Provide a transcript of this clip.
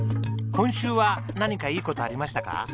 今週は何かいい事ありましたか？